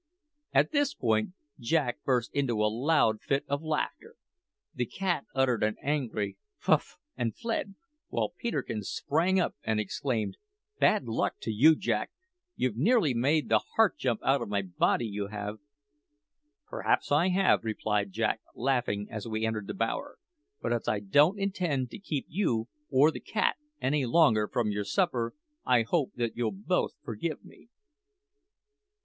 At this point Jack burst into a loud fit of laughter. The cat uttered an angry fuff and fled, while Peterkin sprang up and exclaimed: "Bad luck to you, Jack! You've nearly made the heart jump out of my body, you have!" "Perhaps I have," replied Jack, laughing, as we entered the bower; "but as I don't intend to keep you or the cat any longer from your supper, I hope that you'll both forgive me."